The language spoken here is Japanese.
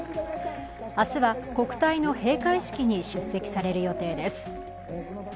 明日は、国体の閉会式に出席される予定です。